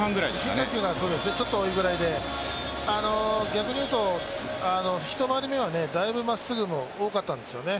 変化球がちょっと多いぐらいで、逆に言うと１回り目はだいぶまっすぐも多かったんですよね。